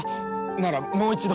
ならもう一度。